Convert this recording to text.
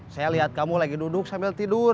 saya lihat kamu lagi duduk sambil tidur